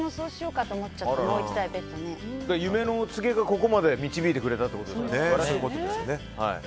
夢のお告げが、ここまで導いてくれたってことですよね。